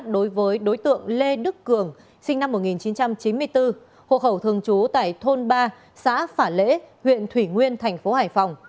đối với đối tượng lê đức cường sinh năm một nghìn chín trăm chín mươi bốn hộ khẩu thường trú tại thôn ba xã phả lễ huyện thủy nguyên thành phố hải phòng